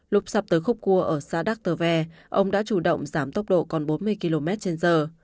lục sập tới khúc cua ở xa đắc tờ vè ông đã chủ động giảm tốc độ còn bốn mươi km trên giờ